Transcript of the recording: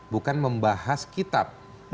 bukan membahas kitab